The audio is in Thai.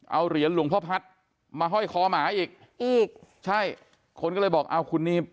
เอาเหรียญหลวงพ่อพัฒน์มาห้อยคอหมาอีกอีกใช่คนก็เลยบอกอ้าวคุณนี่